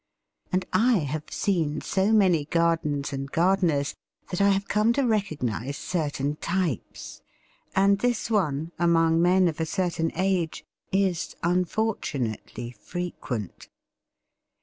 And I have seen so many gardens and gardeners that I have come to recognise certain types; and this one, among men of a certain age, is unfortunately frequent.